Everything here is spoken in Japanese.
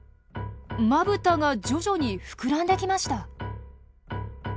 まぶたが徐々に膨らんできました。